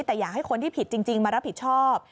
แต่อยากให้คนที่ผิดจริงมารับผิดชอบ